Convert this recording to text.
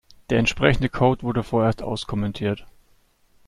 Der entsprechende Code wurde vorerst auskommentiert.